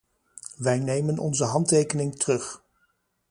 Wij nemen onze handtekening terug.